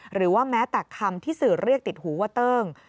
หรือว่าแม้แต่คำที่สื่อเรียกติดหูว่าเติ้ง